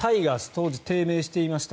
当時、低迷していました。